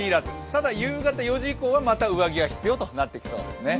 ただ夕方４時以降は、また上着が必要となりますね。